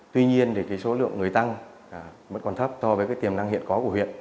tuy nhiên thì số lượng người tăng vẫn còn thấp so với cái tiềm năng hiện có của huyện